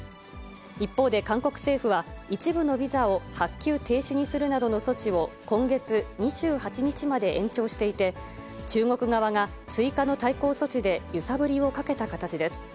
一方で韓国政府は、一部のビザを発給停止にするなどの措置を今月２８日まで延長していて、中国側が追加の対抗措置で揺さぶりをかけた形です。